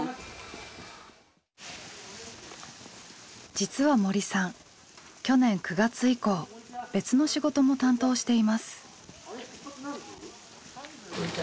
実は森さん去年９月以降別の仕事も担当しています。